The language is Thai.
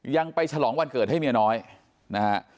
ยังไปฉลองวันเกิดให้เมียน้อยนะฮะ